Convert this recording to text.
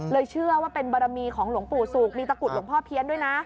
เชื่อว่าเป็นบารมีของหลวงปู่ศุกร์มีตะกุดหลวงพ่อเพี้ยนด้วยนะ